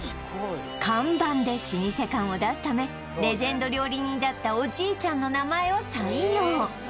看板で老舗感を出すためレジェンド料理人だったおじいちゃんの名前を採用